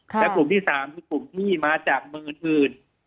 และกลุ่มที่๓คือกลุ่มที่มาจากมืออื่น